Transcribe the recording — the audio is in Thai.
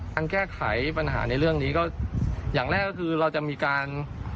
แก้ไขปัญหาในเรื่องนี้ก็อย่างแรกก็คือเราจะมีการ